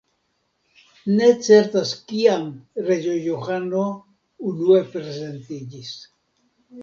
Ne certas kiam "Reĝo Johano" unue prezentiĝis.